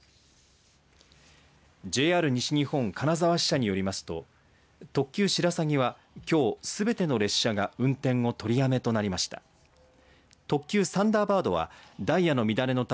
ＪＲ西日本金沢支社によりますと特急しらさぎはきょうすべての列車が運転を取りやめとなりました。